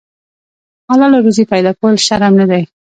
حلاله روزي پیدا کول شرم نه دی.